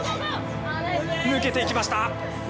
抜けていきました！